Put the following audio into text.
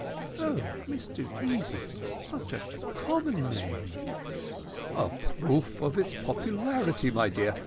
"Oh, no, Mr Easy, such a common name?" "A proof of its popularity, my dear.